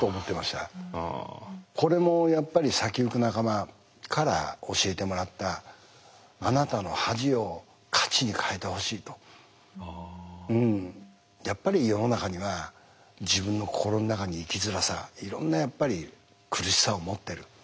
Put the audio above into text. これもやっぱり先行く仲間から教えてもらったあなたのやっぱり世の中には自分の心の中に生きづらさいろんなやっぱり苦しさを持ってる。